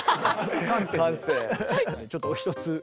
ちょっとお一つ。